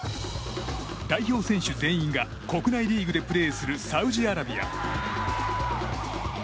代表選手全員が国内リーグでプレーするサウジアラビア。